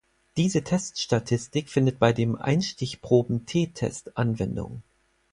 Diese Teststatistik findet bei dem Einstichproben-t-Test Anwendung.